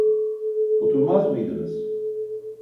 Oturmaz mıydınız?